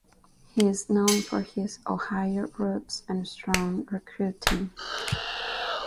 He is known for his Ohio roots and strong recruiting.